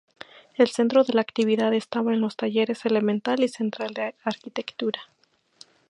El centro de la actividad estaba en los Talleres Elemental y Central de Arquitectura.